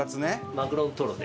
マグロのトロで。